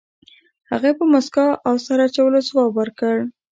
هغه په موسکا او سر اچولو ځواب ورکړ.